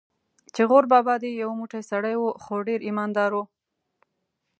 چې غور بابا دې یو موټی سړی و، خو ډېر ایمان دار و.